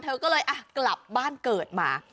เธอก็เลยกลับบ้านเกิดมา